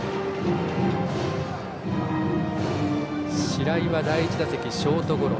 白井は第１打席、ショートゴロ。